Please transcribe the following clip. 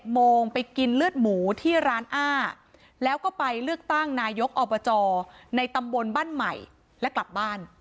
โมงไปกินเลือดหมูที่ร้านอ้าแล้วก็ไปเลือกตั้งนายกอบจในตำบลบ้านใหม่และกลับบ้าน